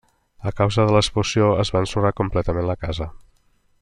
A causa de l'explosió es va ensorrar completament la casa.